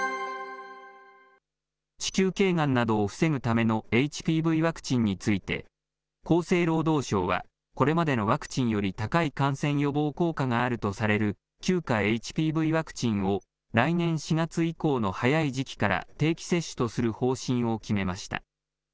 子宮けいがんなどを防ぐためのＨＰＶワクチンについて、厚生労働省は、これまでのワクチンより高い感染予防効果があるとされる９価ＨＰＶワクチンを来年４月以降の早い時期から定期接種とする方針を決めました。